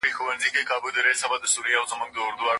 پسرلی صاحب د پښتو ادب د معاصر مکتب یو رښتینی او صادق خدمتګار و.